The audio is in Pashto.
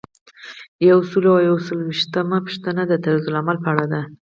یو سل او یو څلویښتمه پوښتنه د طرزالعمل په اړه ده.